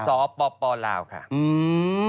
สปลาวค่ะอืม